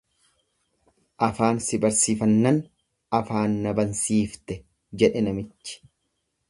Afaan si barsifannan afaan na bansiifte jedhe namichi.